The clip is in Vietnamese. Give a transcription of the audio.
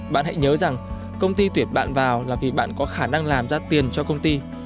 bạn hãy nhớ rằng công ty tuyển bạn vào là vì bạn có khả năng làm ra tiền cho công ty